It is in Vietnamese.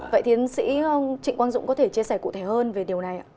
vậy tiến sĩ trịnh quang dũng có thể chia sẻ cụ thể hơn về điều này ạ